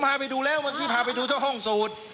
พาไปดูแล้วเมื่อกี้พาไปดูเจ้าห้องสูตร